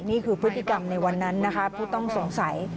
นี่คือพฤติกรรมในวันนั้นนะคะผู้ต้องสงสัย